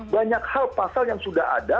banyak hal pasal yang sudah ada